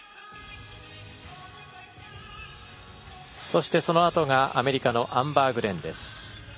そして、そのあとがアメリカのアンバー・グレンです。